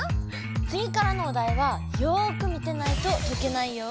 つぎからのおだいはよく見てないととけないよ！